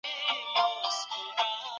زه مشرانو ته درناوی کوم.